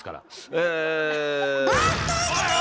え。